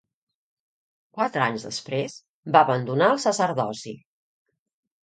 Quatre anys després va abandonar el sacerdoci.